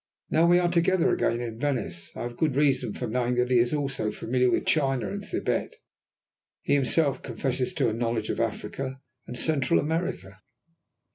Now we are together again in Venice. I have good reason for knowing that he is also familiar with China and Thibet. He himself confesses to a knowledge of Africa and Central America."